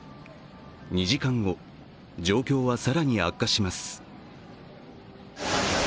２時間後、状況は更に悪化します。